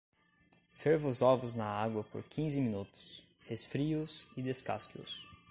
Ferva os ovos na água por quinze minutos, resfrie-os e descasque-os.